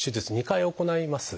２回行います。